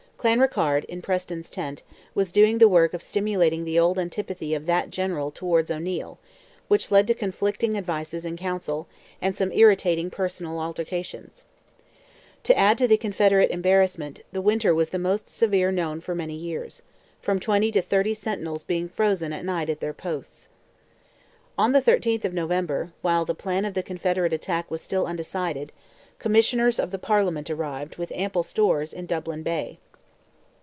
Clanrickarde, in Preston's tent, was doing the work of stimulating the old antipathy of that general towards O'Neil, which led to conflicting advices in Council, and some irritating personal altercations. To add to the Confederate embarrassment, the winter was the most severe known for many years; from twenty to thirty sentinels being frozen at night at their posts. On the 13th of November, while the plan of the Confederate attack was still undecided, commissioners of the Parliament arrived, with ample stores, in Dublin Bay.